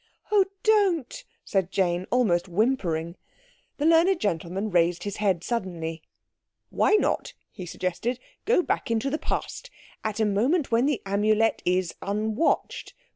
"Oh, don't," said Jane, almost whimpering. The learned gentleman raised his head suddenly. "Why not," he suggested, "go back into the Past? At a moment when the Amulet is unwatched.